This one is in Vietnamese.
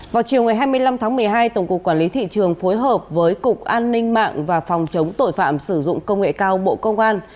vào chiều ngày hai mươi năm tháng một mươi hai tổng cục quản lý thị trường phối hợp với cục an ninh mạng và phòng chống tội phạm sử dụng công nghệ cao bộ công an